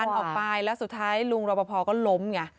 มันออกไปแล้วสุดท้ายลุงรอปภก็ล้มไง